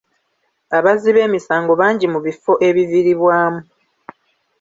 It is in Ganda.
Abazzi b'emisango bangi mu bifo ebivibirwamu.